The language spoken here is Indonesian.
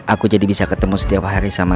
aku jadi bisa ketemu setiap hari sama